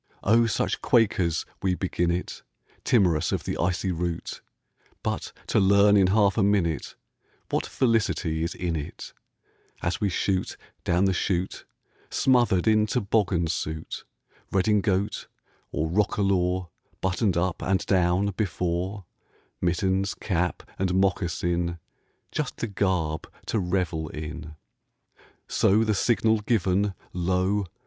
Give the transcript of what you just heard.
Oh, such quakers we begin it, Timorous of the icy route! But to learn in half a minute What felicity is in it, As we shoot down the chute, Smothered in toboggan suit, Redingote or roquelaure, Buttoned up (and down) before, Mittens, cap, and moccasin, Just the garb to revel in; So, the signal given, lo!